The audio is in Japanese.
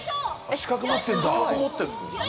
資格を持ってるんです。